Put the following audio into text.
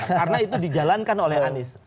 karena itu dijalankan oleh anies